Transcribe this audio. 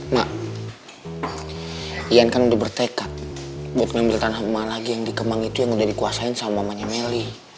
mak ian kan udah bertekad buat ngambil tanah lagi yang di kemang itu yang udah dikuasain sama mamanya melly